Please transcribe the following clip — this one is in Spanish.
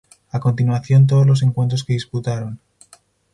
A continuación todos los encuentros que disputaron